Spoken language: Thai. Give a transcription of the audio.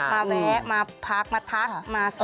มาแวะมาพักมาทักมาสั่ง